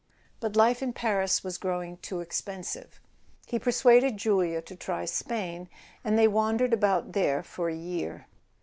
But life in Paris was growing too expensive. He persuaded Julia to try Spain, and they wandered about there for a year.